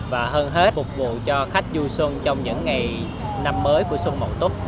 và hơn hết phục vụ cho khách du xuân trong những ngày năm mới của xuân mậu tốt